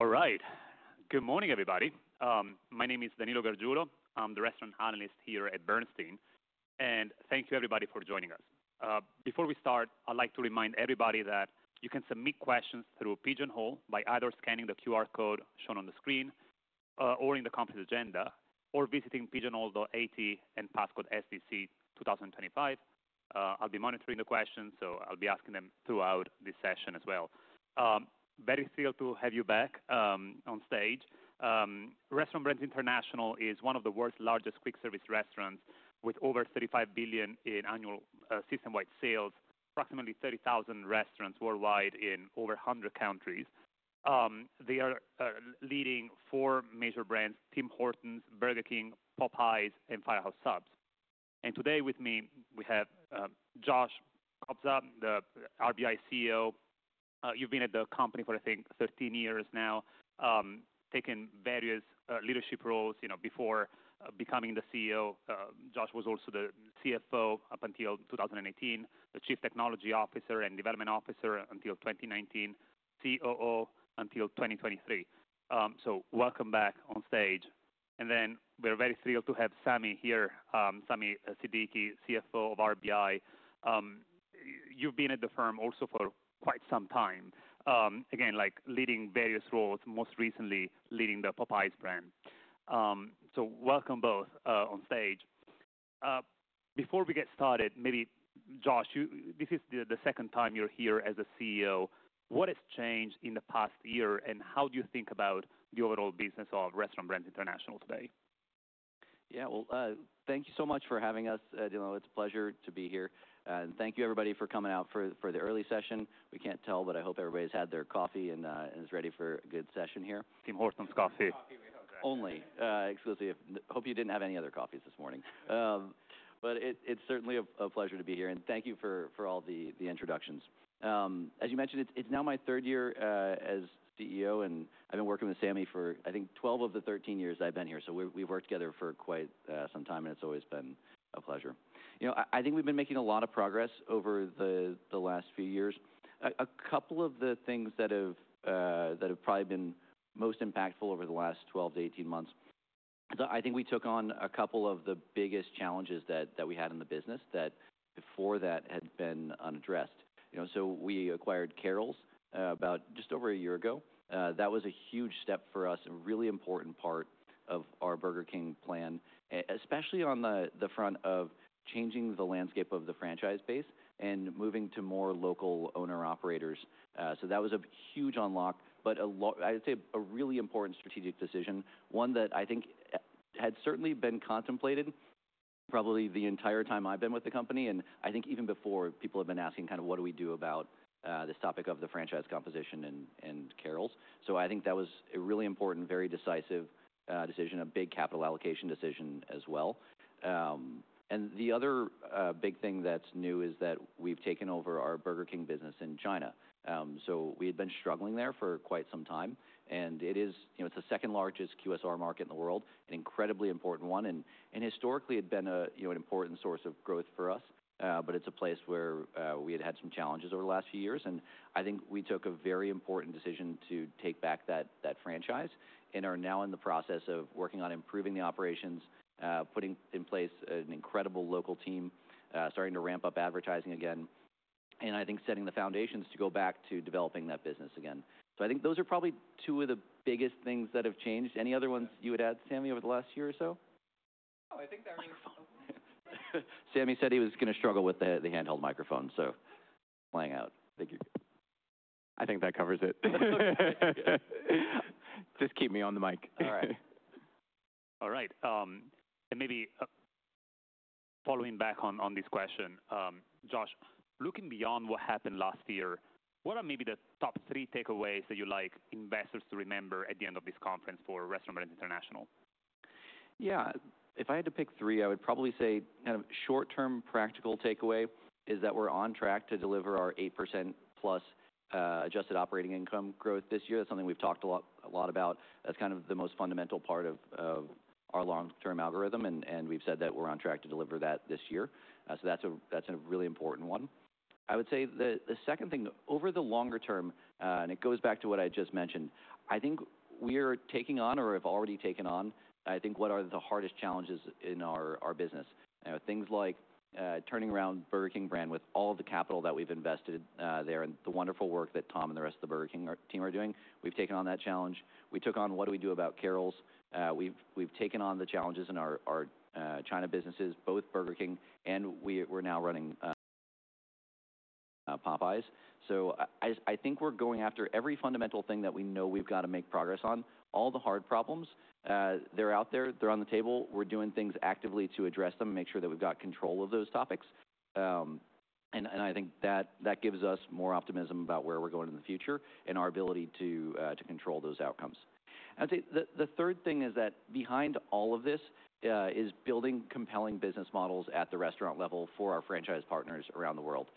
All right. Good morning, everybody. My name is Danilo Gargiulo. I'm the restaurant analyst here at Bernstein, and thank you, everybody, for joining us. Before we start, I'd like to remind everybody that you can submit questions through Pigeonhole by either scanning the QR code shown on the screen, or in the company's agenda, or visiting pigeonhole.at and passcode SDC2025. I'll be monitoring the questions, so I'll be asking them throughout this session as well. Very thrilled to have you back on stage. Restaurant Brands International is one of the world's largest quick-service restaurants, with over $35 billion in annual system-wide sales, approximately 30,000 restaurants worldwide in over 100 countries. They are leading four major brands: Tim Hortons, Burger King, Popeyes, and Firehouse Subs. Today, with me, we have Josh Kobza, the RBI CEO. You've been at the company for, I think, 13 years now, taking various leadership roles before becoming the CEO. Josh was also the CFO up until 2018, the Chief Technology Officer and Development Officer until 2019, COO until 2023. Welcome back on stage. We are very thrilled to have Sami here, Sami Siddiqui, CFO of RBI. You've been at the firm also for quite some time, again, leading various roles, most recently leading the Popeyes brand. Welcome both on stage. Before we get started, maybe, Josh, this is the second time you're here as a CEO. What has changed in the past year, and how do you think about the overall business of Restaurant Brands International today? Yeah, thank you so much for having us, Danilo. It's a pleasure to be here. Thank you, everybody, for coming out for the early session. We can't tell, but I hope everybody's had their coffee and is ready for a good session here. Tim Hortons coffee. Coffee, we hope. Only. Exclusive. Hope you did not have any other coffees this morning. It is certainly a pleasure to be here, and thank you for all the introductions. As you mentioned, it is now my third year as CEO, and I have been working with Sami for, I think, 12 of the 13 years I have been here. We have worked together for quite some time, and it has always been a pleasure. I think we have been making a lot of progress over the last few years. A couple of the things that have probably been most impactful over the last 12-18 months, I think we took on a couple of the biggest challenges that we had in the business that before that had been unaddressed. We acquired Carrols about just over a year ago. That was a huge step for us, a really important part of our Burger King plan, especially on the front of changing the landscape of the franchise base and moving to more local owner-operators. That was a huge unlock, but I'd say a really important strategic decision, one that I think had certainly been contemplated probably the entire time I've been with the company, and I think even before people have been asking kind of what do we do about this topic of the franchise composition and Carrols. I think that was a really important, very decisive decision, a big capital allocation decision as well. The other big thing that's new is that we've taken over our Burger King business in China. We had been struggling there for quite some time, and it's the second-largest QSR market in the world, an incredibly important one, and historically had been an important source of growth for us. It is a place where we had had some challenges over the last few years, and I think we took a very important decision to take back that franchise and are now in the process of working on improving the operations, putting in place an incredible local team, starting to ramp up advertising again, and I think setting the foundations to go back to developing that business again. I think those are probably two of the biggest things that have changed. Any other ones you would add, Sami, over the last year or so? No, I think that was. Sami said he was going to struggle with the handheld microphone, so it is playing out. Thank you. I think that covers it. Just keep me on the mic. All right. All right. Maybe following back on this question, Josh, looking beyond what happened last year, what are maybe the top three takeaways that you'd like investors to remember at the end of this conference for Restaurant Brands International? Yeah, if I had to pick three, I would probably say kind of short-term practical takeaway is that we're on track to deliver our 8%+ adjusted operating income growth this year. That's something we've talked a lot about. That's kind of the most fundamental part of our long-term algorithm, and we've said that we're on track to deliver that this year. That's a really important one. I would say the second thing, over the longer term, and it goes back to what I just mentioned, I think we are taking on or have already taken on, I think, what are the hardest challenges in our business. Things like turning around Burger King brand with all the capital that we've invested there and the wonderful work that Tom and the rest of the Burger King team are doing. We've taken on that challenge. We took on what do we do about Carrols. We've taken on the challenges in our China businesses, both Burger King and we're now running Popeyes. I think we're going after every fundamental thing that we know we've got to make progress on. All the hard problems, they're out there. They're on the table. We're doing things actively to address them and make sure that we've got control of those topics. I think that gives us more optimism about where we're going in the future and our ability to control those outcomes. I'd say the third thing is that behind all of this is building compelling business models at the restaurant level for our franchise partners around the world.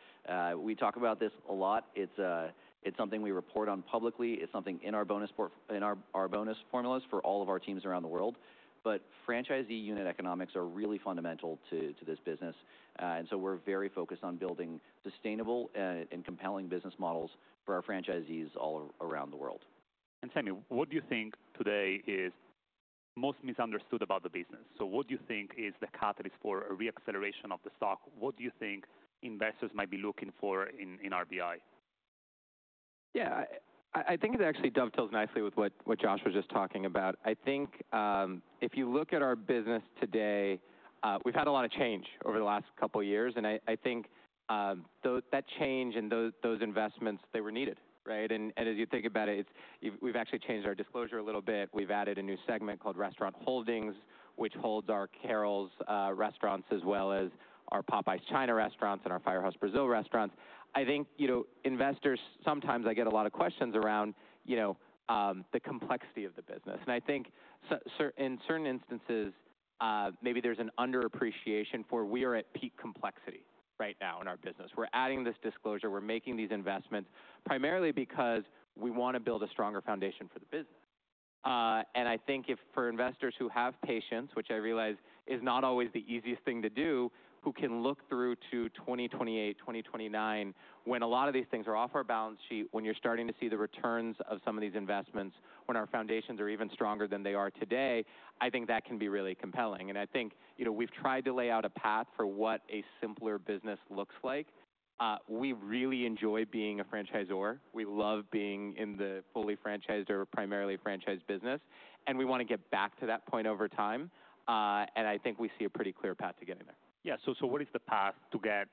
We talk about this a lot. It's something we report on publicly. It's something in our bonus formulas for all of our teams around the world. Franchisee unit economics are really fundamental to this business. We are very focused on building sustainable and compelling business models for our franchisees all around the world. Sami, what do you think today is most misunderstood about the business? What do you think is the catalyst for a reacceleration of the stock? What do you think investors might be looking for in RBI? Yeah, I think it actually dovetails nicely with what Josh was just talking about. I think if you look at our business today, we've had a lot of change over the last couple of years, and I think that change and those investments, they were needed, right? As you think about it, we've actually changed our disclosure a little bit. We've added a new segment called Restaurant Holdings, which holds our Carrols restaurants as well as our Popeyes China restaurants and our Firehouse Brazil restaurants. I think investors, sometimes I get a lot of questions around the complexity of the business. I think in certain instances, maybe there's an underappreciation for we are at peak complexity right now in our business. We're adding this disclosure. We're making these investments primarily because we want to build a stronger foundation for the business. I think if for investors who have patience, which I realize is not always the easiest thing to do, who can look through to 2028, 2029, when a lot of these things are off our balance sheet, when you're starting to see the returns of some of these investments, when our foundations are even stronger than they are today, I think that can be really compelling. I think we've tried to lay out a path for what a simpler business looks like. We really enjoy being a franchisor. We love being in the fully franchised or primarily franchised business, and we want to get back to that point over time. I think we see a pretty clear path to getting there. Yeah, so what is the path to get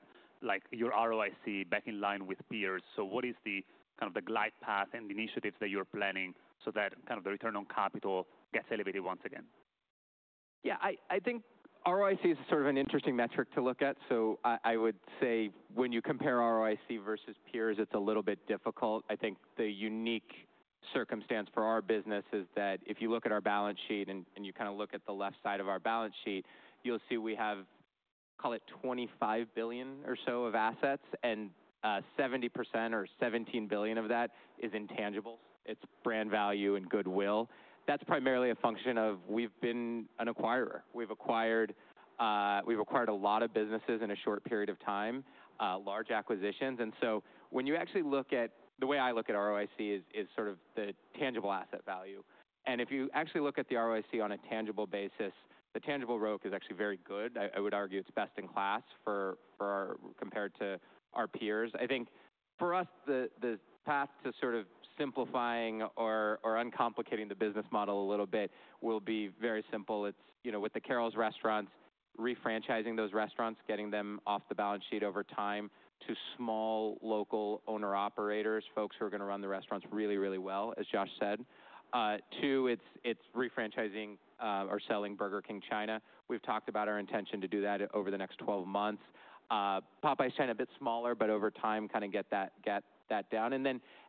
your ROIC back in line with peers? What is the kind of the glide path and initiatives that you're planning so that kind of the return on capital gets elevated once again? Yeah, I think ROIC is sort of an interesting metric to look at. I would say when you compare ROIC versus peers, it's a little bit difficult. I think the unique circumstance for our business is that if you look at our balance sheet and you kind of look at the left side of our balance sheet, you'll see we have, I'll call it, $25 billion or so of assets, and 70% or $17 billion of that is intangibles. It's brand value and goodwill. That's primarily a function of we've been an acquirer. We've acquired a lot of businesses in a short period of time, large acquisitions. When you actually look at the way I look at ROIC is sort of the tangible asset value. If you actually look at the ROIC on a tangible basis, the tangible ROIC is actually very good. I would argue it's best in class compared to our peers. I think for us, the path to sort of simplifying or uncomplicating the business model a little bit will be very simple. It's with the Carrols restaurants, refranchising those restaurants, getting them off the balance sheet over time to small local owner-operators, folks who are going to run the restaurants really, really well, as Josh said. Two, it's refranchising or selling Burger King China. We've talked about our intention to do that over the next 12 months. Popeyes China, a bit smaller, but over time kind of get that down.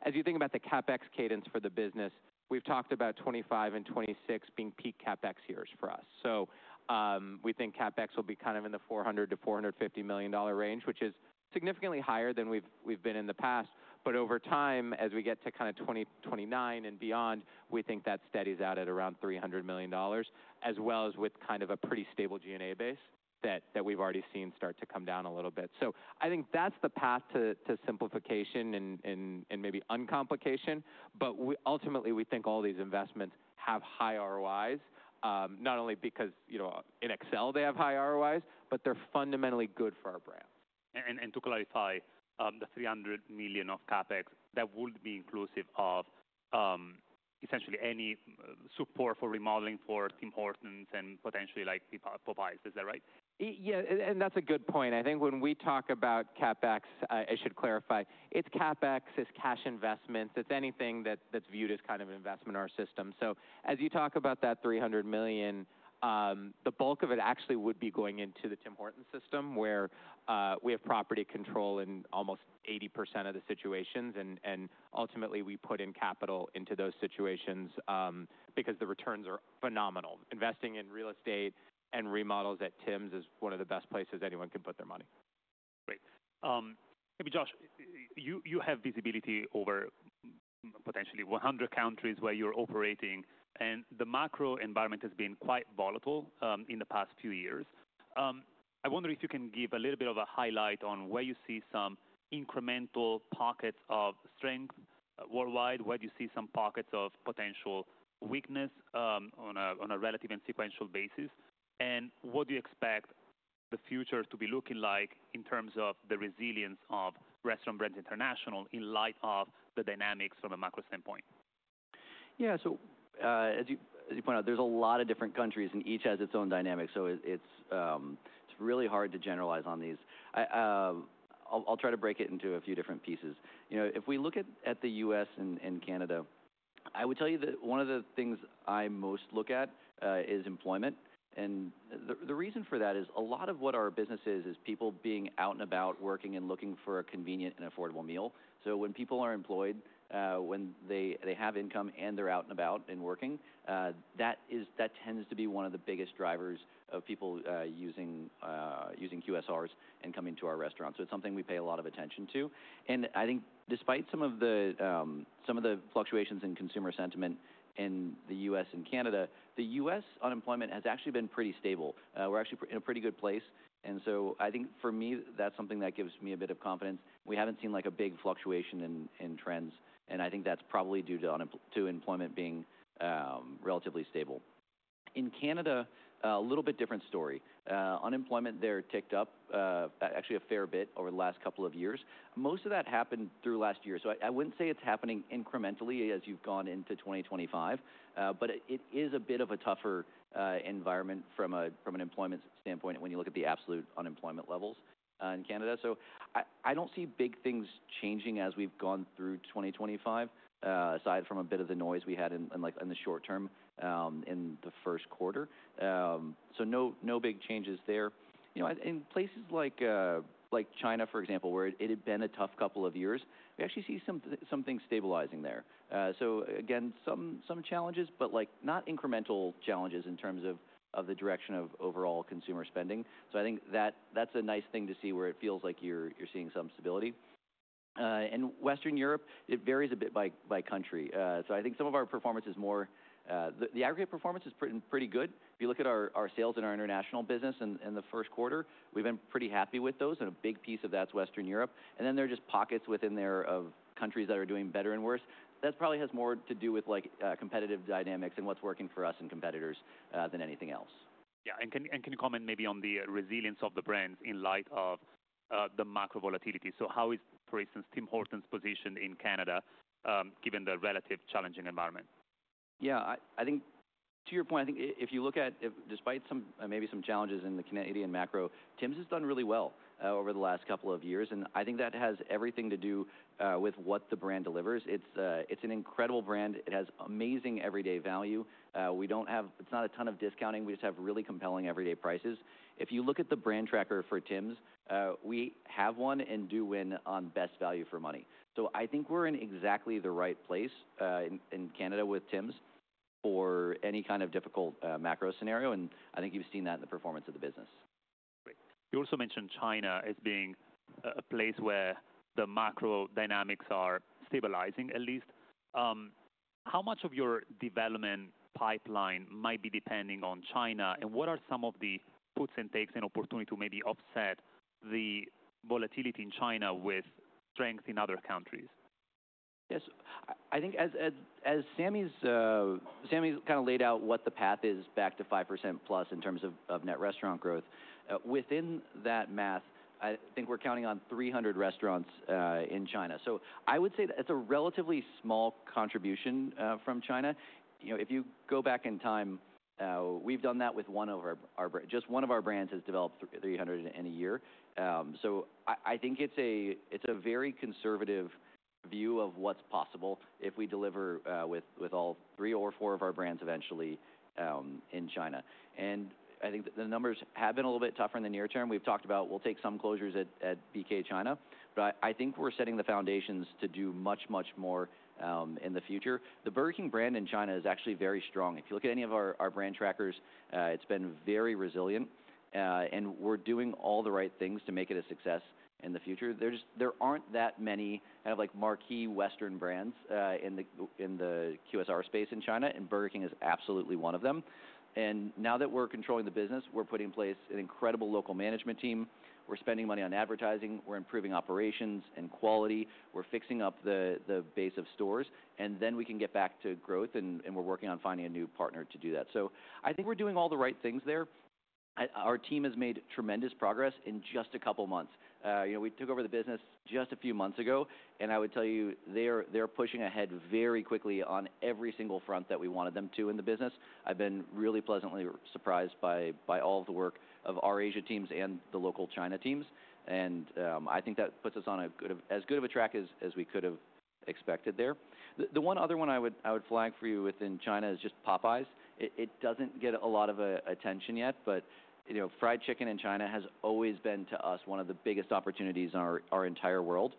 As you think about the CapEx cadence for the business, we've talked about 2025 and 2026 being peak CapEx years for us. We think CapEx will be kind of in the $400-$450 million range, which is significantly higher than we've been in the past. Over time, as we get to kind of 2029 and beyond, we think that steadies out at around $300 million, as well as with kind of a pretty stable G&A base that we've already seen start to come down a little bit. I think that's the path to simplification and maybe uncomplication. Ultimately, we think all these investments have high ROIs, not only because in Excel they have high ROIs, but they're fundamentally good for our brand. To clarify, the $300 million of CapEx, that would be inclusive of essentially any support for remodeling for Tim Hortons and potentially Popeyes. Is that right? Yeah, and that's a good point. I think when we talk about CapEx, I should clarify, it's CapEx, it's cash investments, it's anything that's viewed as kind of investment in our system. As you talk about that $300 million, the bulk of it actually would be going into the Tim Hortons system, where we have property control in almost 80% of the situations. Ultimately, we put in capital into those situations because the returns are phenomenal. Investing in real estate and remodels at Tim's is one of the best places anyone can put their money. Great. Maybe, Josh, you have visibility over potentially 100 countries where you're operating, and the macro environment has been quite volatile in the past few years. I wonder if you can give a little bit of a highlight on where you see some incremental pockets of strength worldwide, where do you see some pockets of potential weakness on a relative and sequential basis, and what do you expect the future to be looking like in terms of the resilience of Restaurant Brands International in light of the dynamics from a macro standpoint? Yeah, as you point out, there's a lot of different countries, and each has its own dynamic. It's really hard to generalize on these. I'll try to break it into a few different pieces. If we look at the U.S. and Canada, I would tell you that one of the things I most look at is employment. The reason for that is a lot of what our business is, is people being out and about working and looking for a convenient and affordable meal. When people are employed, when they have income and they're out and about and working, that tends to be one of the biggest drivers of people using QSRs and coming to our restaurants. It's something we pay a lot of attention to. I think despite some of the fluctuations in consumer sentiment in the U.S. and Canada, the U.S. unemployment has actually been pretty stable. We're actually in a pretty good place. I think for me, that's something that gives me a bit of confidence. We haven't seen a big fluctuation in trends, and I think that's probably due to employment being relatively stable. In Canada, a little bit different story. Unemployment there ticked up, actually a fair bit, over the last couple of years. Most of that happened through last year. I wouldn't say it's happening incrementally as you've gone into 2025, but it is a bit of a tougher environment from an employment standpoint when you look at the absolute unemployment levels in Canada. I don't see big things changing as we've gone through 2025, aside from a bit of the noise we had in the short term in the first quarter. No big changes there. In places like China, for example, where it had been a tough couple of years, we actually see some things stabilizing there. Again, some challenges, but not incremental challenges in terms of the direction of overall consumer spending. I think that's a nice thing to see where it feels like you're seeing some stability. In Western Europe, it varies a bit by country. I think some of our performance is more the aggregate performance is pretty good. If you look at our sales in our international business in the first quarter, we've been pretty happy with those, and a big piece of that's Western Europe. There are just pockets within there of countries that are doing better and worse. That probably has more to do with competitive dynamics and what's working for us and competitors than anything else. Yeah, and can you comment maybe on the resilience of the brands in light of the macro volatility? How is, for instance, Tim Hortons positioned in Canada given the relatively challenging environment? Yeah, I think to your point, I think if you look at despite maybe some challenges in the Canadian macro, Tim's has done really well over the last couple of years. I think that has everything to do with what the brand delivers. It's an incredible brand. It has amazing everyday value. It's not a ton of discounting. We just have really compelling everyday prices. If you look at the brand tracker for Tim's, we have one and do win on best value for money. I think we're in exactly the right place in Canada with Tim's for any kind of difficult macro scenario. I think you've seen that in the performance of the business. Great. You also mentioned China as being a place where the macro dynamics are stabilizing, at least. How much of your development pipeline might be depending on China, and what are some of the puts and takes and opportunity to maybe offset the volatility in China with strength in other countries? Yes, I think as Sami's kind of laid out what the path is back to 5%+ in terms of net restaurant growth, within that math, I think we're counting on 300 restaurants in China. I would say that's a relatively small contribution from China. If you go back in time, we've done that with just one of our brands has developed 300 in a year. I think it's a very conservative view of what's possible if we deliver with all three or four of our brands eventually in China. I think the numbers have been a little bit tougher in the near term. We've talked about we'll take some closures at BK China, but I think we're setting the foundations to do much, much more in the future. The Burger King brand in China is actually very strong. If you look at any of our brand trackers, it's been very resilient, and we're doing all the right things to make it a success in the future. There aren't that many kind of marquee Western brands in the QSR space in China, and Burger King is absolutely one of them. Now that we're controlling the business, we're putting in place an incredible local management team. We're spending money on advertising. We're improving operations and quality. We're fixing up the base of stores. We can get back to growth, and we're working on finding a new partner to do that. I think we're doing all the right things there. Our team has made tremendous progress in just a couple of months. We took over the business just a few months ago, and I would tell you they're pushing ahead very quickly on every single front that we wanted them to in the business. I have been really pleasantly surprised by all of the work of our Asia teams and the local China teams. I think that puts us on as good of a track as we could have expected there. The one other one I would flag for you within China is just Popeyes. It does not get a lot of attention yet, but fried chicken in China has always been to us one of the biggest opportunities in our entire world.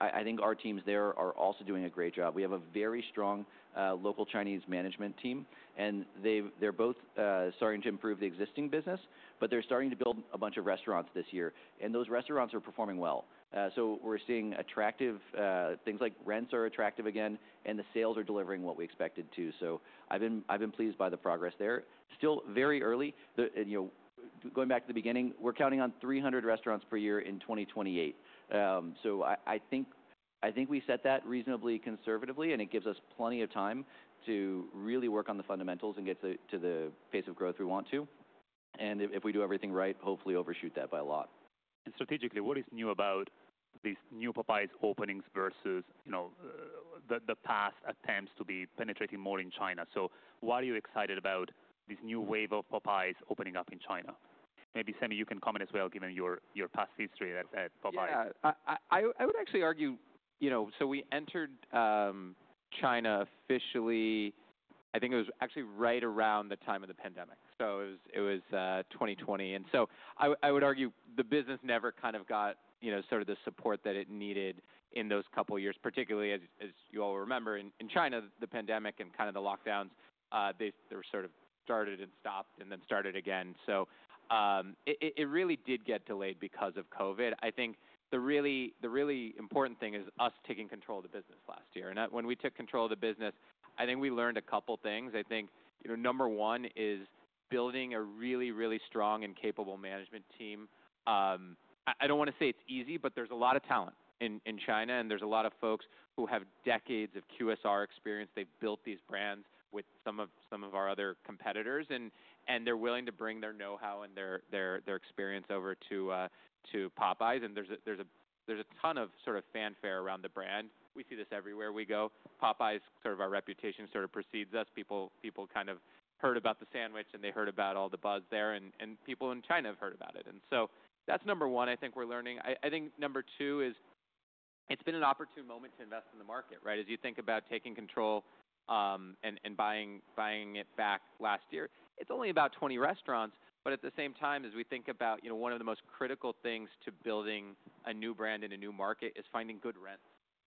I think our teams there are also doing a great job. We have a very strong local Chinese management team, and they're both starting to improve the existing business, but they're starting to build a bunch of restaurants this year. Those restaurants are performing well. We are seeing attractive things like rents are attractive again, and the sales are delivering what we expected to. I have been pleased by the progress there. Still very early. Going back to the beginning, we are counting on 300 restaurants per year in 2028. I think we set that reasonably conservatively, and it gives us plenty of time to really work on the fundamentals and get to the pace of growth we want to. If we do everything right, hopefully overshoot that by a lot. Strategically, what is new about these new Popeyes openings versus the past attempts to be penetrating more in China? Why are you excited about this new wave of Popeyes opening up in China? Maybe Sami, you can comment as well, given your past history at Popeyes. Yeah, I would actually argue, we entered China officially, I think it was actually right around the time of the pandemic. It was 2020. I would argue the business never kind of got the support that it needed in those couple of years, particularly as you all remember, in China, the pandemic and the lockdowns, they were started and stopped and then started again. It really did get delayed because of COVID. I think the really important thing is us taking control of the business last year. When we took control of the business, I think we learned a couple of things. I think number one is building a really, really strong and capable management team. I don't want to say it's easy, but there's a lot of talent in China, and there's a lot of folks who have decades of QSR experience. They've built these brands with some of our other competitors, and they're willing to bring their know-how and their experience over to Popeyes. There's a ton of sort of fanfare around the brand. We see this everywhere we go. Popeyes, sort of our reputation sort of precedes us. People kind of heard about the sandwich, and they heard about all the buzz there, and people in China have heard about it. That's number one I think we're learning. I think number two is it's been an opportune moment to invest in the market, right? As you think about taking control and buying it back last year, it's only about 20 restaurants. At the same time, as we think about one of the most critical things to building a new brand in a new market, it is finding good rents,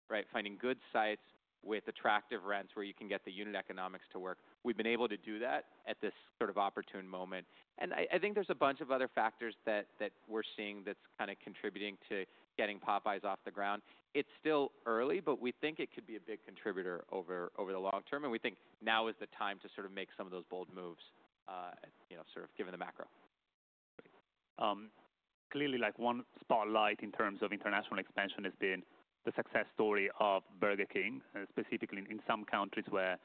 right? Finding good sites with attractive rents where you can get the unit economics to work. We have been able to do that at this sort of opportune moment. I think there are a bunch of other factors that we are seeing that are kind of contributing to getting Popeyes off the ground. It is still early, but we think it could be a big contributor over the long term. We think now is the time to sort of make some of those bold moves, sort of given the macro. Great. Clearly, one spotlight in terms of international expansion has been the success story of Burger King, specifically in some countries where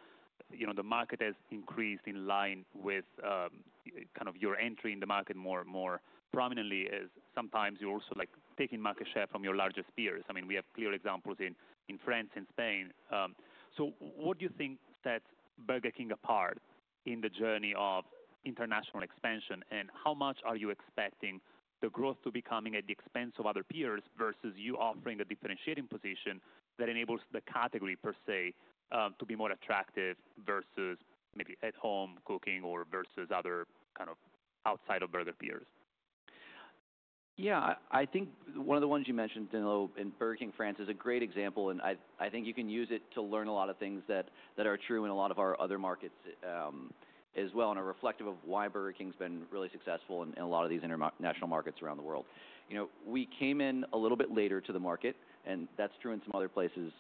the market has increased in line with kind of your entry in the market more prominently as sometimes you're also taking market share from your largest peers. I mean, we have clear examples in France and Spain. What do you think sets Burger King apart in the journey of international expansion, and how much are you expecting the growth to be coming at the expense of other peers versus you offering a differentiating position that enables the category per se to be more attractive versus maybe at-home cooking or versus other kind of outside of burger peers? Yeah, I think one of the ones you mentioned, Dunnigan, in Burger King France is a great example, and I think you can use it to learn a lot of things that are true in a lot of our other markets as well and are reflective of why Burger King's been really successful in a lot of these international markets around the world. We came in a little bit later to the market, and that's true in some other places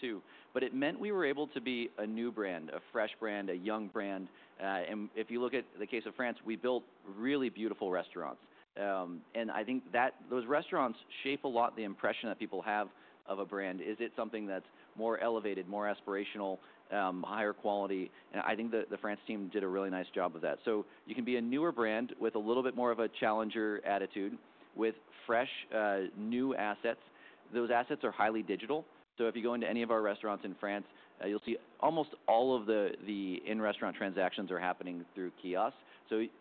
too. It meant we were able to be a new brand, a fresh brand, a young brand. If you look at the case of France, we built really beautiful restaurants. I think those restaurants shape a lot the impression that people have of a brand. Is it something that's more elevated, more aspirational, higher quality? I think the France team did a really nice job of that. You can be a newer brand with a little bit more of a challenger attitude with fresh new assets. Those assets are highly digital. If you go into any of our restaurants in France, you'll see almost all of the in-restaurant transactions are happening through kiosks.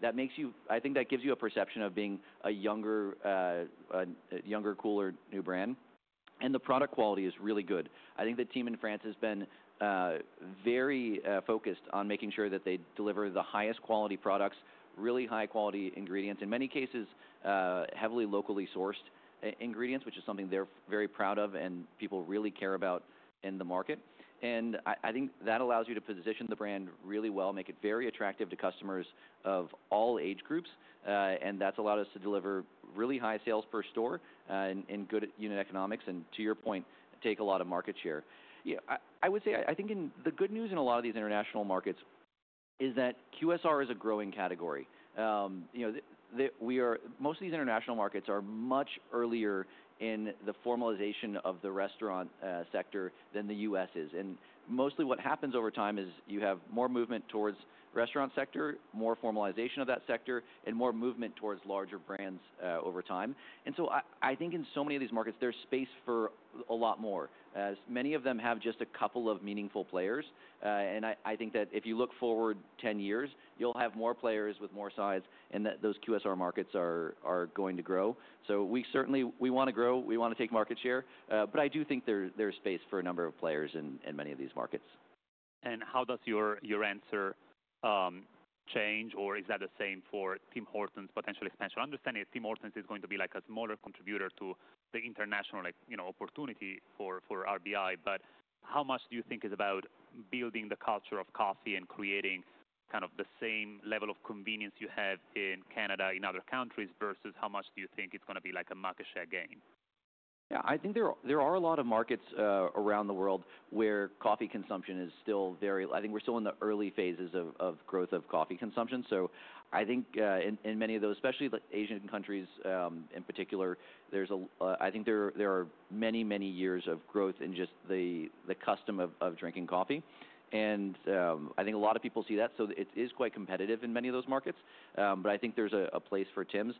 That gives you a perception of being a younger, cooler new brand. The product quality is really good. I think the team in France has been very focused on making sure that they deliver the highest quality products, really high-quality ingredients, in many cases heavily locally sourced ingredients, which is something they're very proud of and people really care about in the market. I think that allows you to position the brand really well, make it very attractive to customers of all age groups. That's allowed us to deliver really high sales per store and good unit economics and, to your point, take a lot of market share. I would say I think the good news in a lot of these international markets is that QSR is a growing category. Most of these international markets are much earlier in the formalization of the restaurant sector than the U.S. is. Mostly what happens over time is you have more movement towards the restaurant sector, more formalization of that sector, and more movement towards larger brands over time. I think in so many of these markets, there's space for a lot more. Many of them have just a couple of meaningful players. I think that if you look forward 10 years, you'll have more players with more sides, and those QSR markets are going to grow. We certainly want to grow. We want to take market share. I do think there's space for a number of players in many of these markets. How does your answer change, or is that the same for Tim Hortons' potential expansion? I understand that Tim Hortons is going to be like a smaller contributor to the international opportunity for RBI, but how much do you think is about building the culture of coffee and creating kind of the same level of convenience you have in Canada in other countries versus how much do you think it's going to be like a market share gain? Yeah, I think there are a lot of markets around the world where coffee consumption is still very, I think we're still in the early phases of growth of coffee consumption. I think in many of those, especially the Asian countries in particular, I think there are many, many years of growth in just the custom of drinking coffee. I think a lot of people see that. It is quite competitive in many of those markets. I think there's a place for Tim's.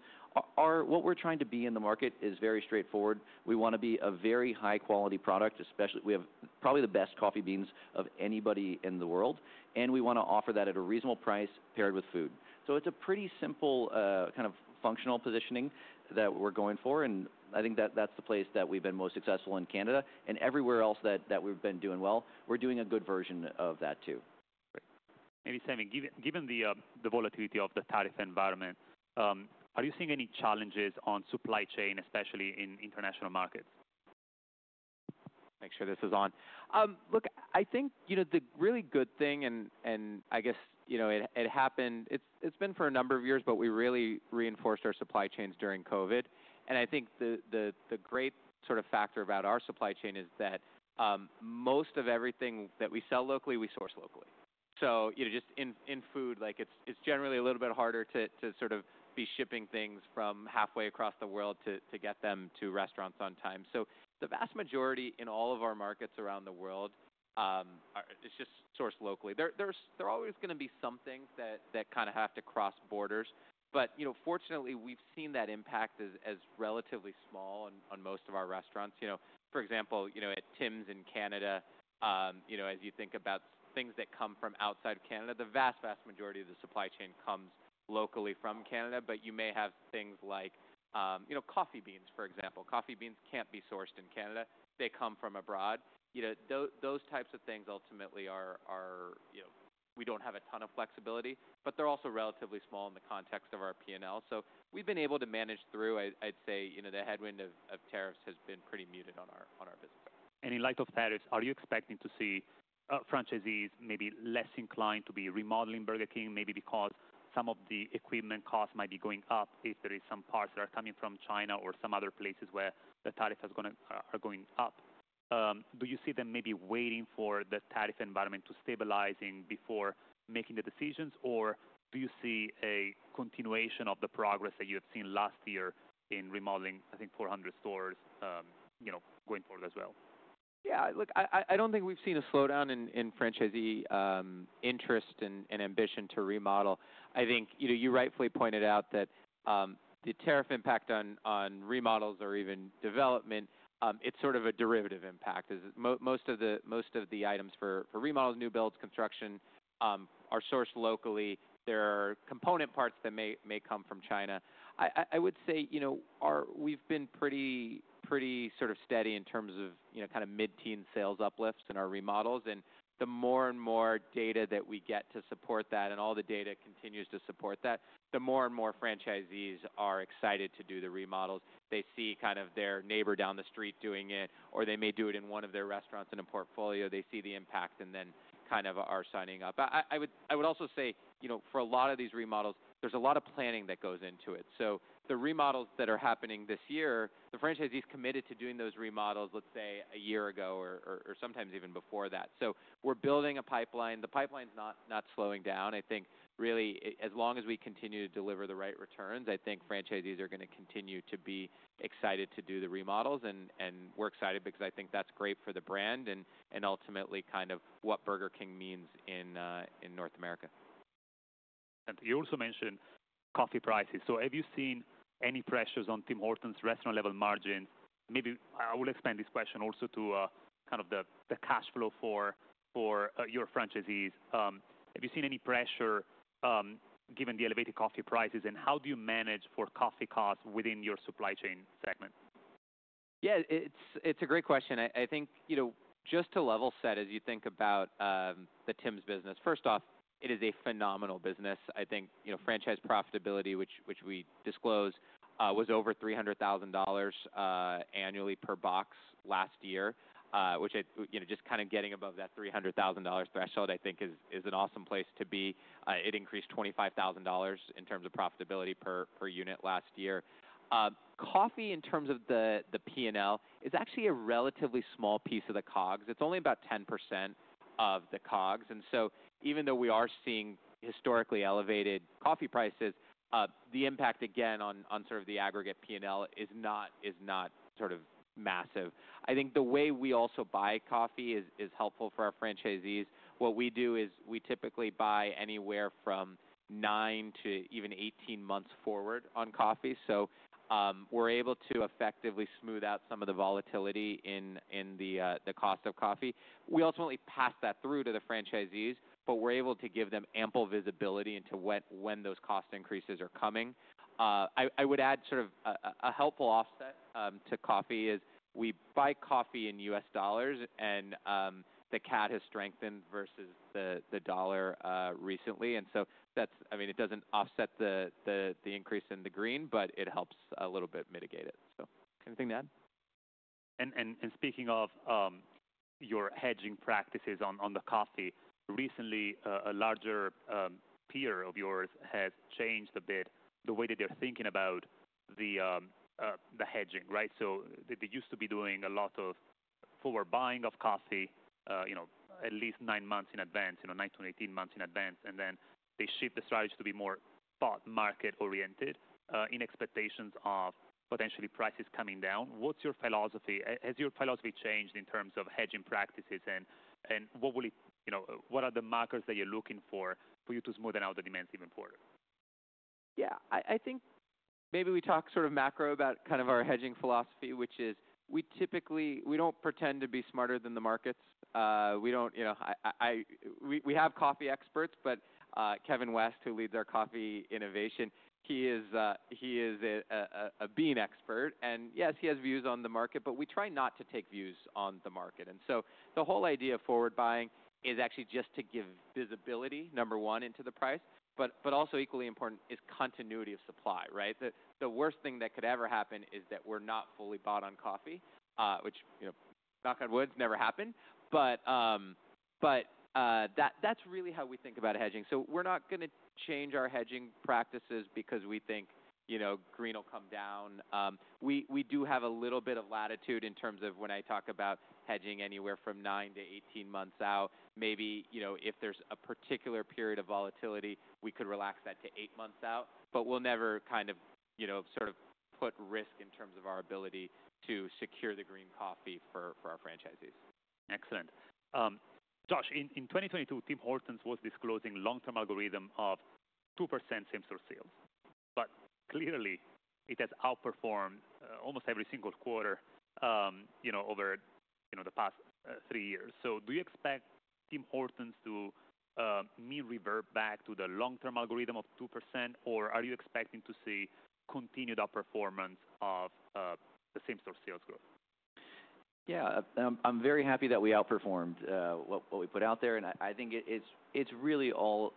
What we're trying to be in the market is very straightforward. We want to be a very high-quality product. We have probably the best coffee beans of anybody in the world, and we want to offer that at a reasonable price paired with food. It is a pretty simple kind of functional positioning that we're going for. I think that's the place that we've been most successful in Canada. Everywhere else that we've been doing well, we're doing a good version of that too. Great. Maybe Sami, given the volatility of the tariff environment, are you seeing any challenges on supply chain, especially in international markets? Make sure this is on. Look, I think the really good thing, and I guess it happened, it's been for a number of years, but we really reinforced our supply chains during COVID. I think the great sort of factor about our supply chain is that most of everything that we sell locally, we source locally. Just in food, it's generally a little bit harder to sort of be shipping things from halfway across the world to get them to restaurants on time. The vast majority in all of our markets around the world is just sourced locally. There's always going to be something that kind of has to cross borders. Fortunately, we've seen that impact as relatively small on most of our restaurants. For example, at Tim's in Canada, as you think about things that come from outside of Canada, the vast, vast majority of the supply chain comes locally from Canada. You may have things like coffee beans, for example. Coffee beans cannot be sourced in Canada. They come from abroad. Those types of things ultimately are, we do not have a ton of flexibility, but they are also relatively small in the context of our P&L. We have been able to manage through. I would say the headwind of tariffs has been pretty muted on our business. In light of tariffs, are you expecting to see franchisees maybe less inclined to be remodeling Burger King maybe because some of the equipment costs might be going up if there are some parts that are coming from China or some other places where the tariffs are going up? Do you see them maybe waiting for the tariff environment to stabilize before making the decisions, or do you see a continuation of the progress that you have seen last year in remodeling, I think, 400 stores going forward as well? Yeah, look, I don't think we've seen a slowdown in franchisee interest and ambition to remodel. I think you rightfully pointed out that the tariff impact on remodels or even development, it's sort of a derivative impact. Most of the items for remodels, new builds, construction are sourced locally. There are component parts that may come from China. I would say we've been pretty sort of steady in terms of kind of mid-teen sales uplifts in our remodels. The more and more data that we get to support that, and all the data continues to support that, the more and more franchisees are excited to do the remodels. They see kind of their neighbor down the street doing it, or they may do it in one of their restaurants in a portfolio. They see the impact and then kind of are signing up. I would also say for a lot of these remodels, there's a lot of planning that goes into it. The remodels that are happening this year, the franchisees committed to doing those remodels, let's say, a year ago or sometimes even before that. We're building a pipeline. The pipeline's not slowing down. I think really, as long as we continue to deliver the right returns, I think franchisees are going to continue to be excited to do the remodels. We're excited because I think that's great for the brand and ultimately kind of what Burger King means in North America. You also mentioned coffee prices. Have you seen any pressures on Tim Hortons' restaurant-level margins? Maybe I will expand this question also to kind of the cash flow for your franchisees. Have you seen any pressure given the elevated coffee prices, and how do you manage for coffee costs within your supply chain segment? Yeah, it's a great question. I think just to level set, as you think about the Tim's business, first off, it is a phenomenal business. I think franchise profitability, which we disclose, was over $300,000 annually per box last year, which just kind of getting above that $300,000 threshold, I think, is an awesome place to be. It increased $25,000 in terms of profitability per unit last year. Coffee, in terms of the P&L, is actually a relatively small piece of the COGS. It's only about 10% of the COGS. Even though we are seeing historically elevated coffee prices, the impact, again, on sort of the aggregate P&L is not sort of massive. I think the way we also buy coffee is helpful for our franchisees. What we do is we typically buy anywhere from 9-18 months forward on coffee. We're able to effectively smooth out some of the volatility in the cost of coffee. We ultimately pass that through to the franchisees, but we're able to give them ample visibility into when those cost increases are coming. I would add sort of a helpful offset to coffee is we buy coffee in US dollars, and the CAD has strengthened versus the dollar recently. I mean, it does not offset the increase in the green, but it helps a little bit mitigate it. Anything to add? Speaking of your hedging practices on the coffee, recently, a larger peer of yours has changed a bit the way that they're thinking about the hedging, right? They used to be doing a lot of forward buying of coffee at least nine months in advance, nine to eighteen months in advance. They shifted the strategy to be more spot market oriented in expectations of potentially prices coming down. What's your philosophy? Has your philosophy changed in terms of hedging practices, and what are the markers that you're looking for for you to smooth out the demands even further? Yeah, I think maybe we talk sort of macro about kind of our hedging philosophy, which is we typically we don't pretend to be smarter than the markets. We have coffee experts, but Kevin West, who leads our coffee innovation, he is a bean expert. And yes, he has views on the market, but we try not to take views on the market. The whole idea of forward buying is actually just to give visibility, number one, into the price. Also equally important is continuity of supply, right? The worst thing that could ever happen is that we're not fully bought on coffee, which knock on wood, never happened. That's really how we think about hedging. We're not going to change our hedging practices because we think green will come down. We do have a little bit of latitude in terms of when I talk about hedging anywhere from 9-18 months out. Maybe if there's a particular period of volatility, we could relax that to 8 months out. We'll never kind of sort of put risk in terms of our ability to secure the green coffee for our franchisees. Excellent. Josh, in 2022, Tim Hortons was disclosing a long-term algorithm of 2% same-store sales. Clearly, it has outperformed almost every single quarter over the past three years. Do you expect Tim Hortons to mean revert back to the long-term algorithm of 2%, or are you expecting to see continued outperformance of the same-store sales growth? Yeah, I'm very happy that we outperformed what we put out there. I think it's really all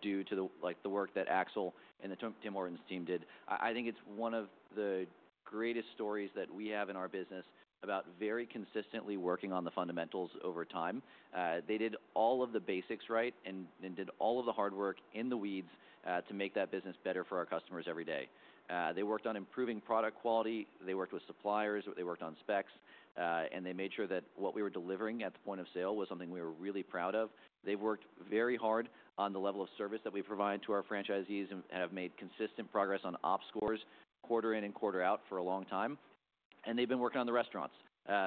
due to the work that Axel and the Tim Hortons team did. I think it's one of the greatest stories that we have in our business about very consistently working on the fundamentals over time. They did all of the basics right and did all of the hard work in the weeds to make that business better for our customers every day. They worked on improving product quality. They worked with suppliers. They worked on specs. They made sure that what we were delivering at the point of sale was something we were really proud of. They've worked very hard on the level of service that we provide to our franchisees and have made consistent progress on ops scores quarter in and quarter out for a long time. They've been working on the restaurants,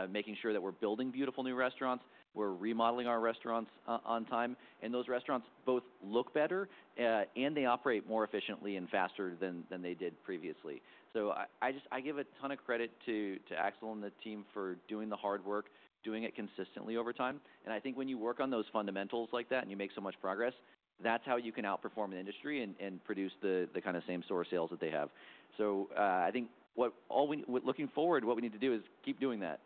making sure that we're building beautiful new restaurants. We're remodeling our restaurants on time. Those restaurants both look better, and they operate more efficiently and faster than they did previously. I give a ton of credit to Axel and the team for doing the hard work, doing it consistently over time. I think when you work on those fundamentals like that and you make so much progress, that's how you can outperform an industry and produce the kind of same-store sales that they have. I think looking forward, what we need to do is keep doing that.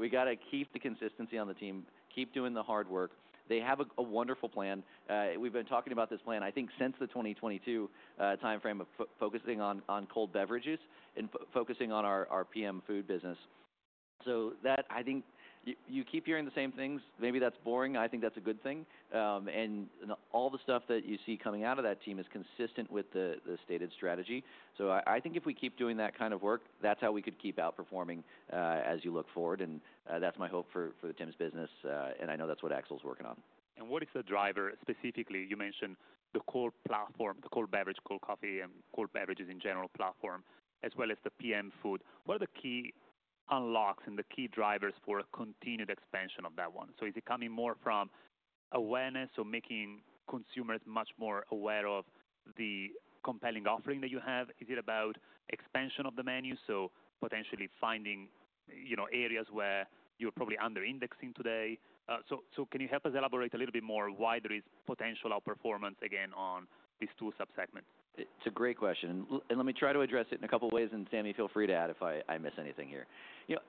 We got to keep the consistency on the team, keep doing the hard work. They have a wonderful plan. We've been talking about this plan, I think, since the 2022 timeframe of focusing on cold beverages and focusing on our PM food business. That, I think you keep hearing the same things. Maybe that's boring. I think that's a good thing. All the stuff that you see coming out of that team is consistent with the stated strategy. I think if we keep doing that kind of work, that's how we could keep outperforming as you look forward. That's my hope for the Tim's business. I know that's what Axel's working on. What is the driver specifically? You mentioned the cold platform, the cold beverage, cold coffee, and cold beverages in general platform, as well as the PM food. What are the key unlocks and the key drivers for continued expansion of that one? Is it coming more from awareness or making consumers much more aware of the compelling offering that you have? Is it about expansion of the menu, so potentially finding areas where you're probably underindexing today? Can you help us elaborate a little bit more why there is potential outperformance, again, on these two subsegments? It's a great question. Let me try to address it in a couple of ways. Sami, feel free to add if I miss anything here.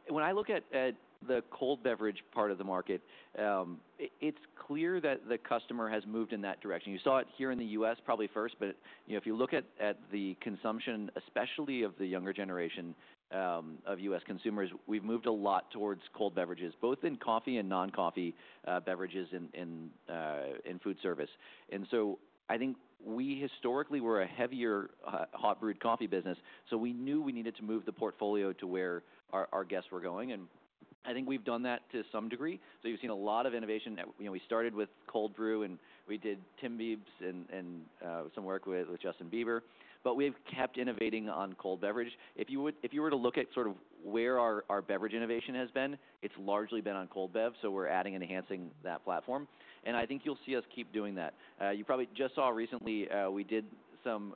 When I look at the cold beverage part of the market, it's clear that the customer has moved in that direction. You saw it here in the U.S. probably first. If you look at the consumption, especially of the younger generation of U.S. consumers, we've moved a lot towards cold beverages, both in coffee and non-coffee beverages in food service. I think we historically were a heavier hot-brewed coffee business. We knew we needed to move the portfolio to where our guests were going. I think we've done that to some degree. You've seen a lot of innovation. We started with Cold Brew, and we did Tim Beebs and some work with Justin Bieber. We have kept innovating on cold beverage. If you were to look at sort of where our beverage innovation has been, it's largely been on cold bev. We are adding and enhancing that platform. I think you'll see us keep doing that. You probably just saw recently we did some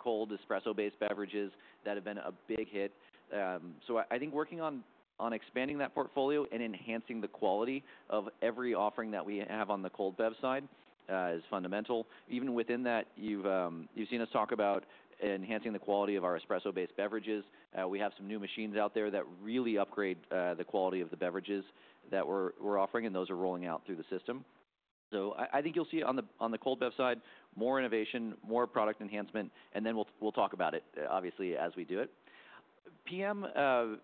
cold espresso-based beverages that have been a big hit. I think working on expanding that portfolio and enhancing the quality of every offering that we have on the cold bev side is fundamental. Even within that, you've seen us talk about enhancing the quality of our espresso-based beverages. We have some new machines out there that really upgrade the quality of the beverages that we're offering, and those are rolling out through the system. I think you'll see on the cold bev side more innovation, more product enhancement. We'll talk about it, obviously, as we do it. PM,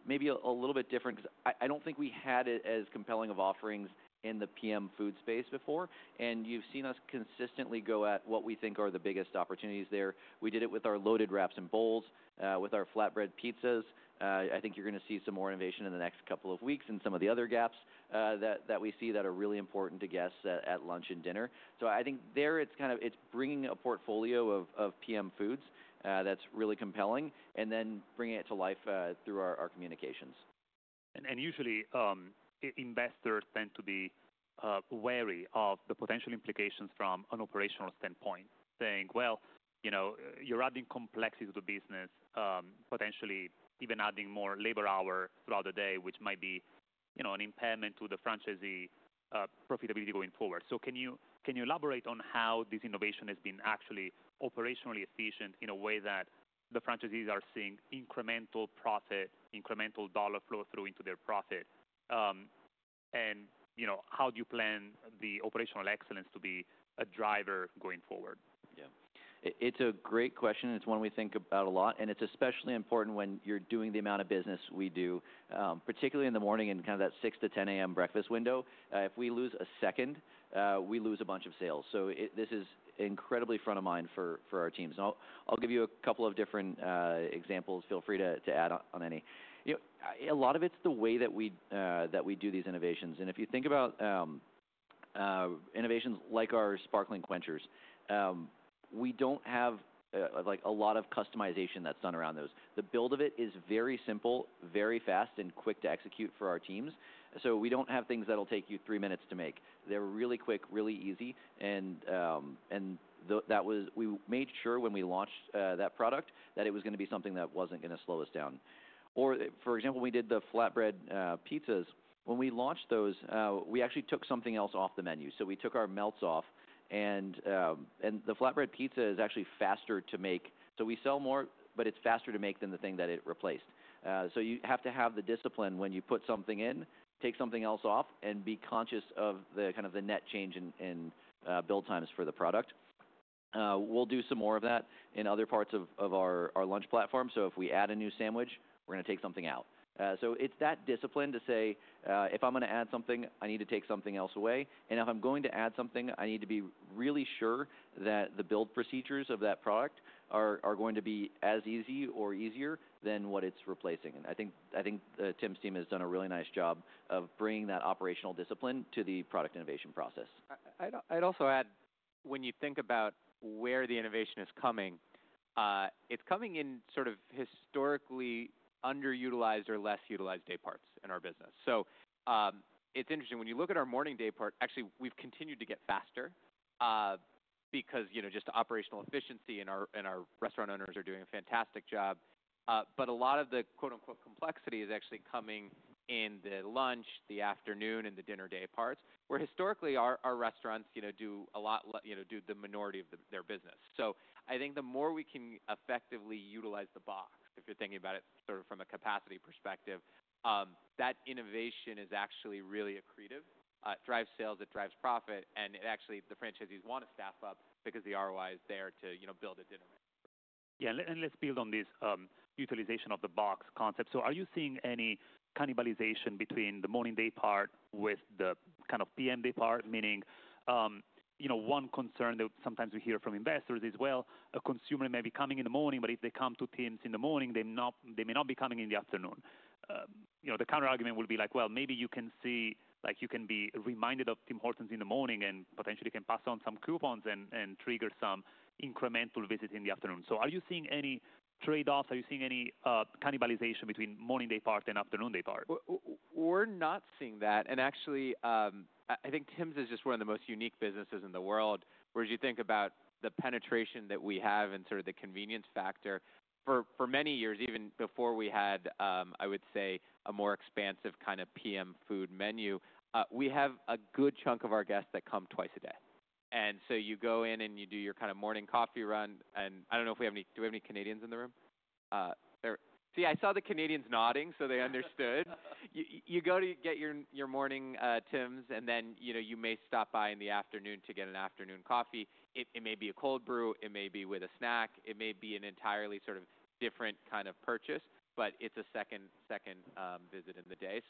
maybe a little bit different because I don't think we had it as compelling of offerings in the PM food space before. You've seen us consistently go at what we think are the biggest opportunities there. We did it with our loaded wraps and bowls, with our flatbread pizzas. I think you're going to see some more innovation in the next couple of weeks and some of the other gaps that we see that are really important to guests at lunch and dinner. I think there it's kind of bringing a portfolio of PM foods that's really compelling and then bringing it to life through our communications. Usually, investors tend to be wary of the potential implications from an operational standpoint, saying, "Well, you're adding complexity to the business, potentially even adding more labor hours throughout the day, which might be an impairment to the franchisee profitability going forward." Can you elaborate on how this innovation has been actually operationally efficient in a way that the franchisees are seeing incremental profit, incremental dollar flow through into their profit? How do you plan the operational excellence to be a driver going forward? Yeah. It's a great question. It's one we think about a lot. It's especially important when you're doing the amount of business we do, particularly in the morning and kind of that 6:00 A.M.-10:00 A.M. breakfast window. If we lose a second, we lose a bunch of sales. This is incredibly front of mind for our teams. I'll give you a couple of different examples. Feel free to add on any. A lot of it's the way that we do these innovations. If you think about innovations like our Sparkling Quenchers, we don't have a lot of customization that's done around those. The build of it is very simple, very fast, and quick to execute for our teams. We don't have things that'll take you three minutes to make. They're really quick, really easy. We made sure when we launched that product that it was going to be something that was not going to slow us down. For example, we did the flatbread pizzas. When we launched those, we actually took something else off the menu. We took our melts off. The flatbread pizza is actually faster to make. We sell more, but it is faster to make than the thing that it replaced. You have to have the discipline when you put something in, take something else off, and be conscious of the net change in build times for the product. We will do some more of that in other parts of our lunch platform. If we add a new sandwich, we are going to take something out. It is that discipline to say, "If I'm going to add something, I need to take something else away." If I'm going to add something, I need to be really sure that the build procedures of that product are going to be as easy or easier than what it is replacing. I think Tim's team has done a really nice job of bringing that operational discipline to the product innovation process. I'd also add, when you think about where the innovation is coming, it's coming in sort of historically underutilized or less utilized day parts in our business. It's interesting. When you look at our morning day part, actually, we've continued to get faster because just operational efficiency, and our restaurant owners are doing a fantastic job. A lot of the "complexity" is actually coming in the lunch, the afternoon, and the dinner day parts where historically our restaurants do the minority of their business. I think the more we can effectively utilize the box, if you're thinking about it sort of from a capacity perspective, that innovation is actually really accretive. It drives sales. It drives profit. Actually, the franchisees want to staff up because the ROI is there to build a dinner menu. Yeah. Let's build on this utilization of the box concept. Are you seeing any cannibalization between the morning day part with the kind of PM day part, meaning one concern that sometimes we hear from investors is, "Well, a consumer may be coming in the morning, but if they come to Tim's in the morning, they may not be coming in the afternoon." The counterargument will be like, "Well, maybe you can see you can be reminded of Tim Hortons in the morning and potentially can pass on some coupons and trigger some incremental visits in the afternoon." Are you seeing any trade-offs? Are you seeing any cannibalization between morning day part and afternoon day part? We're not seeing that. Actually, I think Tim's is just one of the most unique businesses in the world. Whereas you think about the penetration that we have and sort of the convenience factor, for many years, even before we had, I would say, a more expansive kind of PM food menu, we have a good chunk of our guests that come twice a day. You go in and you do your kind of morning coffee run. I don't know if we have any, do we have any Canadians in the room? See, I saw the Canadians nodding, so they understood. You go to get your morning Tim's, and then you may stop by in the afternoon to get an afternoon coffee. It may be a cold brew. It may be with a snack. It may be an entirely sort of different kind of purchase, but it's a second visit in the day.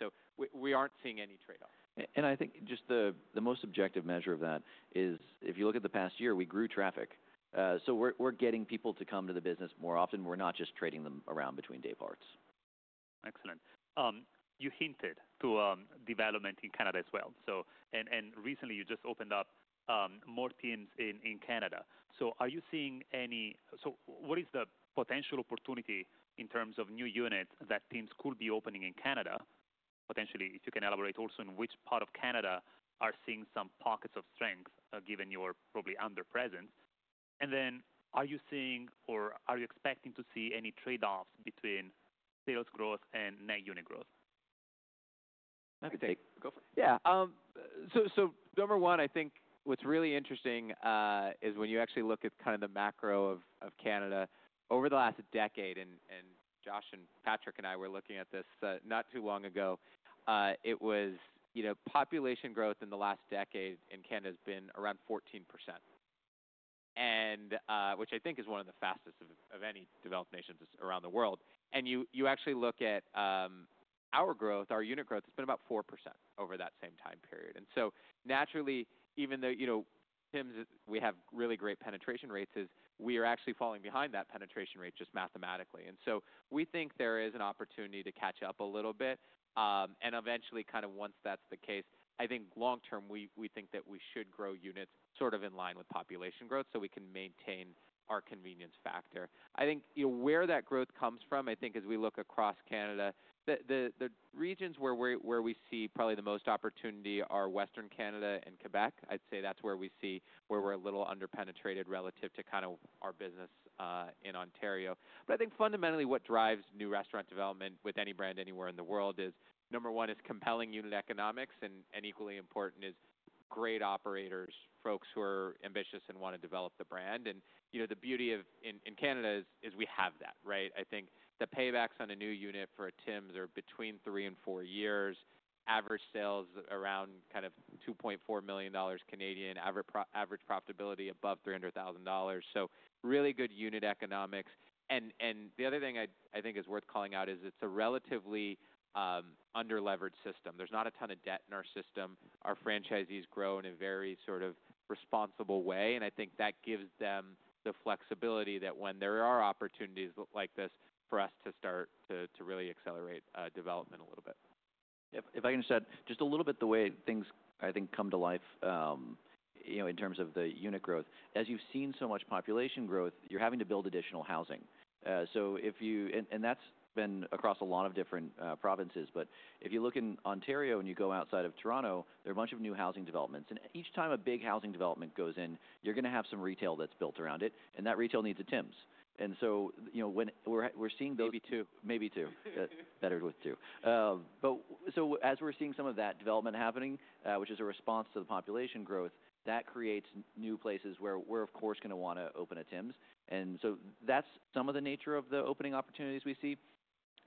We aren't seeing any trade-off. I think just the most objective measure of that is if you look at the past year, we grew traffic. We are getting people to come to the business more often. We are not just trading them around between day parts. Excellent. You hinted to development in Canada as well. Recently, you just opened up more Tim's in Canada. Are you seeing any, so what is the potential opportunity in terms of new units that Tim's could be opening in Canada? Potentially, if you can elaborate also in which part of Canada you are seeing some pockets of strength given your probably underpresence. Are you seeing or are you expecting to see any trade-offs between sales growth and net unit growth? That's a good take. Yeah. Number one, I think what's really interesting is when you actually look at kind of the macro of Canada. Over the last decade, and Josh and Patrick and I were looking at this not too long ago, population growth in the last decade in Canada has been around 14%, which I think is one of the fastest of any developed nations around the world. You actually look at our growth, our unit growth, it's been about 4% over that same time period. Naturally, even though Tim's, we have really great penetration rates, we are actually falling behind that penetration rate just mathematically. We think there is an opportunity to catch up a little bit. Eventually, kind of once that's the case, I think long term, we think that we should grow units sort of in line with population growth so we can maintain our convenience factor. I think where that growth comes from, I think as we look across Canada, the regions where we see probably the most opportunity are Western Canada and Quebec. I'd say that's where we see where we're a little underpenetrated relative to kind of our business in Ontario. I think fundamentally what drives new restaurant development with any brand anywhere in the world is, number one, compelling unit economics. Equally important is great operators, folks who are ambitious and want to develop the brand. The beauty in Canada is we have that, right? I think the paybacks on a new unit for a Tim's are between three and four years. Average sales around kind of 2.4 million Canadian dollars, average profitability above 300,000 dollars. Really good unit economics. The other thing I think is worth calling out is it's a relatively underleveraged system. There's not a ton of debt in our system. Our franchisees grow in a very sort of responsible way. I think that gives them the flexibility that when there are opportunities like this for us to start to really accelerate development a little bit. If I can just add just a little bit, the way things I think come to life in terms of the unit growth. As you've seen so much population growth, you're having to build additional housing. That's been across a lot of different provinces. If you look in Ontario and you go outside of Toronto, there are a bunch of new housing developments. Each time a big housing development goes in, you're going to have some retail that's built around it. That retail needs a Tim's. We're seeing those. Maybe two. Maybe two. Better with two. As we're seeing some of that development happening, which is a response to the population growth, that creates new places where we're, of course, going to want to open a Tim's. That is some of the nature of the opening opportunities we see,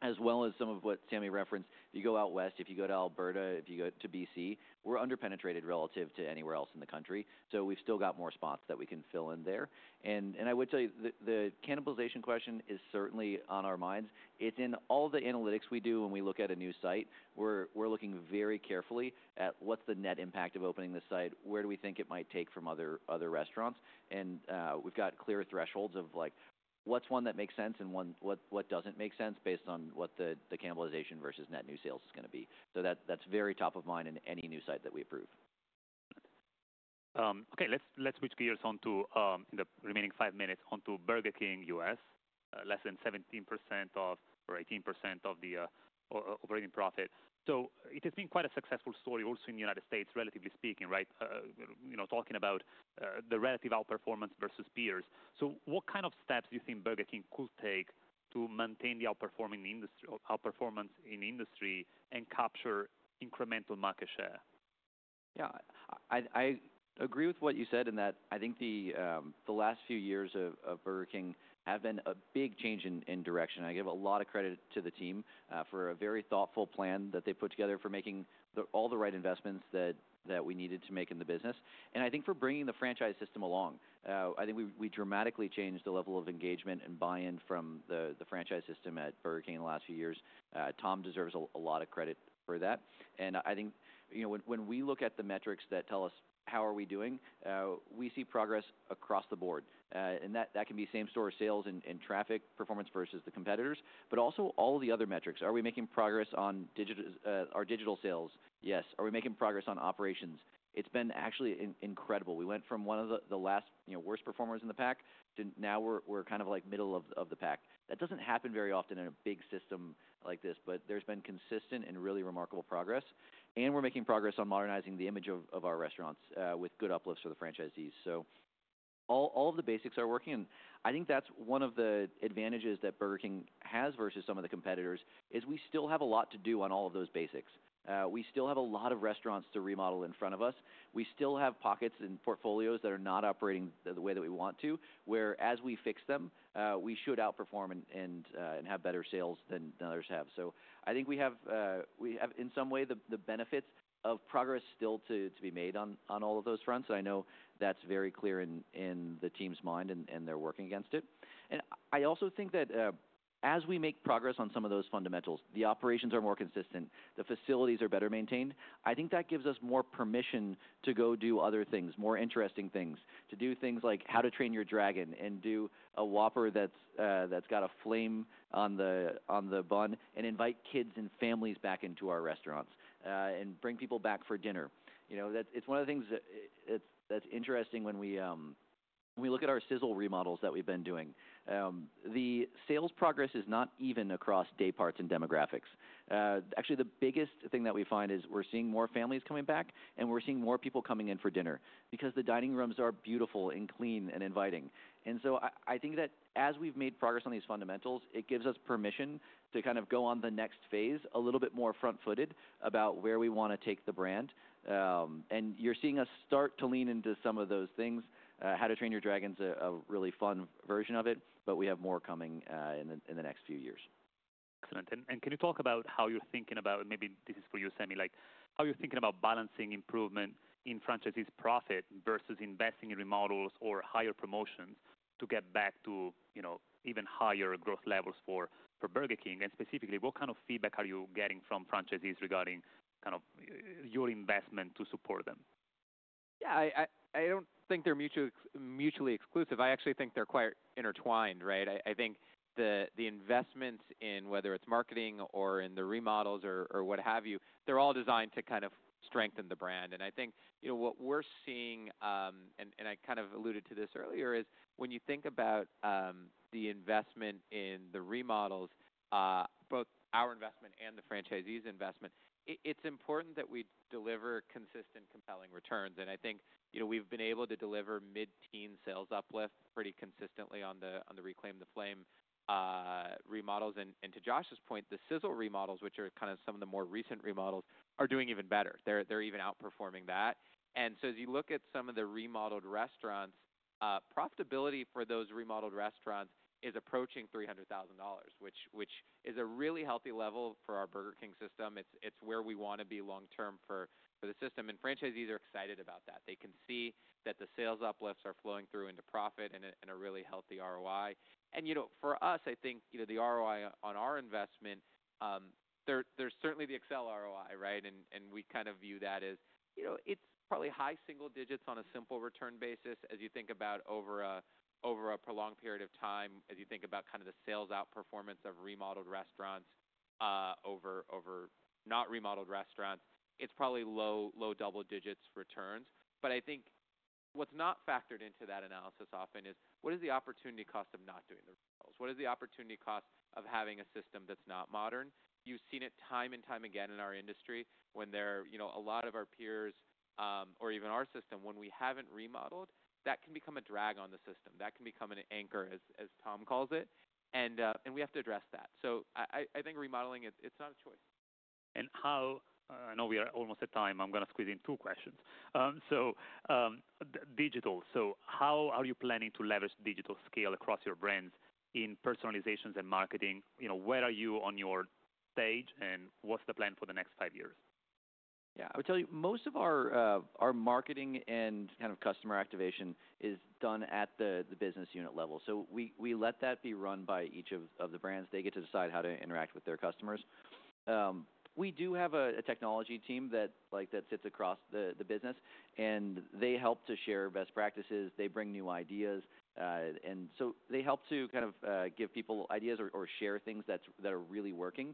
as well as some of what Sami referenced. If you go out west, if you go to Alberta, if you go to BC, we're underpenetrated relative to anywhere else in the country. We've still got more spots that we can fill in there. I would tell you the cannibalization question is certainly on our minds. It's in all the analytics we do when we look at a new site. We're looking very carefully at what's the net impact of opening the site, where do we think it might take from other restaurants. We have got clear thresholds of what is one that makes sense and one that does not make sense based on what the cannibalization versus net new sales is going to be. That is very top of mind in any new site that we approve. Okay. Let's switch gears onto, in the remaining five minutes, onto Burger King US. Less than 17% or 18% of the operating profit. It has been quite a successful story also in the United States, relatively speaking, right? Talking about the relative outperformance versus peers. What kind of steps do you think Burger King could take to maintain the outperformance in industry and capture incremental market share? Yeah. I agree with what you said in that I think the last few years of Burger King have been a big change in direction. I give a lot of credit to the team for a very thoughtful plan that they put together for making all the right investments that we needed to make in the business. I think for bringing the franchise system along, I think we dramatically changed the level of engagement and buy-in from the franchise system at Burger King in the last few years. Tom deserves a lot of credit for that. I think when we look at the metrics that tell us how are we doing, we see progress across the board. That can be same-store sales and traffic performance versus the competitors, but also all of the other metrics. Are we making progress on our digital sales? Yes. Are we making progress on operations? It's been actually incredible. We went from one of the last worst performers in the pack to now we're kind of like middle of the pack. That does not happen very often in a big system like this, but there's been consistent and really remarkable progress. We're making progress on modernizing the image of our restaurants with good uplifts for the franchisees. All of the basics are working. I think that's one of the advantages that Burger King has versus some of the competitors: we still have a lot to do on all of those basics. We still have a lot of restaurants to remodel in front of us. We still have pockets and portfolios that are not operating the way that we want to, where as we fix them, we should outperform and have better sales than others have. I think we have in some way the benefits of progress still to be made on all of those fronts. I know that's very clear in the team's mind, and they're working against it. I also think that as we make progress on some of those fundamentals, the operations are more consistent, the facilities are better maintained. I think that gives us more permission to go do other things, more interesting things, to do things like How to Train Your Dragon and do a Whopper that's got a flame on the bun and invite kids and families back into our restaurants and bring people back for dinner. It's one of the things that's interesting when we look at our sizzle remodels that we've been doing. The sales progress is not even across day parts and demographics. Actually, the biggest thing that we find is we're seeing more families coming back, and we're seeing more people coming in for dinner because the dining rooms are beautiful and clean and inviting. I think that as we've made progress on these fundamentals, it gives us permission to kind of go on the next phase a little bit more front-footed about where we want to take the brand. You're seeing us start to lean into some of those things. How to Train Your Dragon's a really fun version of it, but we have more coming in the next few years. Excellent. Can you talk about how you're thinking about, maybe this is for you, Sami, like how you're thinking about balancing improvement in franchisees' profit versus investing in remodels or higher promotions to get back to even higher growth levels for Burger King? Specifically, what kind of feedback are you getting from franchisees regarding kind of your investment to support them? Yeah. I do not think they are mutually exclusive. I actually think they are quite intertwined, right? I think the investments in whether it is marketing or in the remodels or what have you, they are all designed to kind of strengthen the brand. I think what we are seeing, and I kind of alluded to this earlier, is when you think about the investment in the remodels, both our investment and the franchisees' investment, it is important that we deliver consistent, compelling returns. I think we have been able to deliver mid-teen sales uplift pretty consistently on the Reclaim the Flame remodels. To Josh's point, the Sizzle remodels, which are kind of some of the more recent remodels, are doing even better. They are even outperforming that. As you look at some of the remodeled restaurants, profitability for those remodeled restaurants is approaching $300,000, which is a really healthy level for our Burger King system. It is where we want to be long term for the system. Franchisees are excited about that. They can see that the sales uplifts are flowing through into profit and a really healthy ROI. For us, I think the ROI on our investment, there is certainly the Excel ROI, right? We kind of view that as it is probably high single digits on a simple return basis as you think about over a prolonged period of time, as you think about kind of the sales outperformance of remodeled restaurants over not remodeled restaurants. It is probably low double digits returns. I think what is not factored into that analysis often is what is the opportunity cost of not doing the remodels? What is the opportunity cost of having a system that's not modern? You've seen it time and time again in our industry when a lot of our peers or even our system, when we haven't remodeled, that can become a drag on the system. That can become an anchor, as Tom calls it. We have to address that. I think remodeling, it's not a choice. I know we are almost at time. I'm going to squeeze in two questions. Digital. How are you planning to leverage digital scale across your brands in personalizations and marketing? Where are you on your stage, and what's the plan for the next five years? Yeah. I would tell you most of our marketing and kind of customer activation is done at the business unit level. We let that be run by each of the brands. They get to decide how to interact with their customers. We do have a technology team that sits across the business, and they help to share best practices. They bring new ideas. They help to kind of give people ideas or share things that are really working.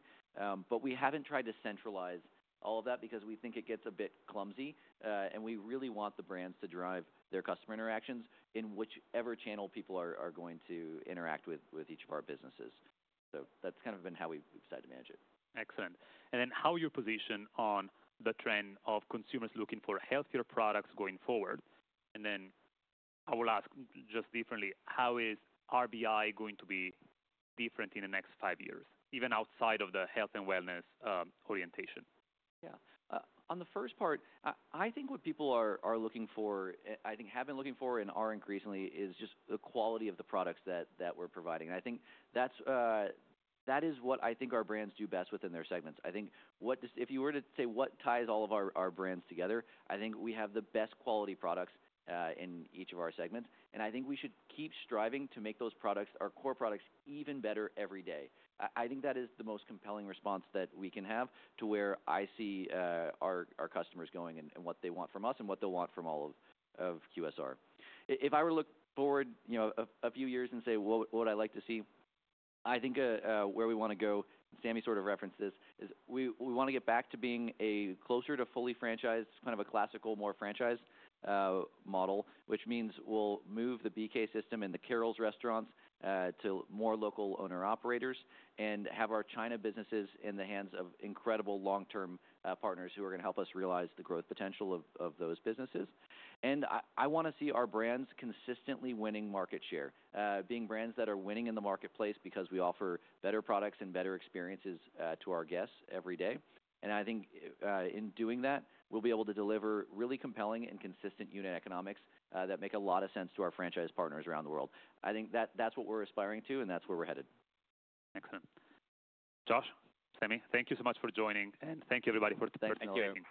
We have not tried to centralize all of that because we think it gets a bit clumsy. We really want the brands to drive their customer interactions in whichever channel people are going to interact with each of our businesses. That has kind of been how we have decided to manage it. Excellent. How are you positioned on the trend of consumers looking for healthier products going forward? I will ask just differently, how is RBI going to be different in the next five years, even outside of the health and wellness orientation? Yeah. On the first part, I think what people are looking for, I think have been looking for and are increasingly is just the quality of the products that we are providing. I think that is what I think our brands do best within their segments. If you were to say what ties all of our brands together, I think we have the best quality products in each of our segments. I think we should keep striving to make those products, our core products, even better every day. I think that is the most compelling response that we can have to where I see our customers going and what they want from us and what they will want from all of QSR. If I were to look forward a few years and say, "What would I like to see?" I think where we want to go, Sami sort of referenced this, is we want to get back to being closer to fully franchised, kind of a classical, more franchise model, which means we'll move the BK system and the Carrols restaurants to more local owner-operators and have our China businesses in the hands of incredible long-term partners who are going to help us realize the growth potential of those businesses. I want to see our brands consistently winning market share, being brands that are winning in the marketplace because we offer better products and better experiences to our guests every day. I think in doing that, we'll be able to deliver really compelling and consistent unit economics that make a lot of sense to our franchise partners around the world. I think that's what we're aspiring to, and that's where we're headed. Excellent. Josh, Sami, thank you so much for joining, and thank you, everybody, for.